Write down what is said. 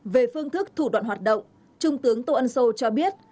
về phương thức thủ đoạn hoạt động trung tướng tô ân sô cho biết